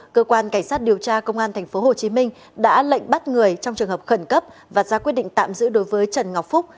cơ quan cảnh sát điều tra công an tp hcm đã lệnh bắt người trong trường hợp khẩn cấp và ra quyết định tạm giữ đối với trần ngọc phúc